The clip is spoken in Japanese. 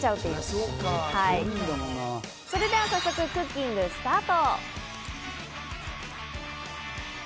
それでは早速、クッキングスタート！